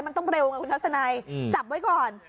มันต้องเร็วไงคุณทัศนัยจับไว้ก่อน